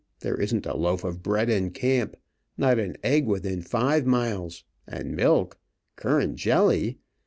There isn't a loaf of bread in camp. Not an egg within five miles. And milk! currant jelly!